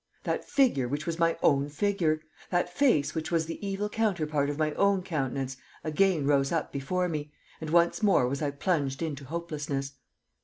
That figure which was my own figure, that face which was the evil counterpart of my own countenance, again rose up before me, and once more was I plunged into hopelessness.